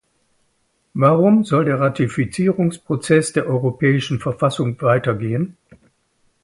Warum soll der Ratifizierungsprozess der europäischen Verfassung weitergehen?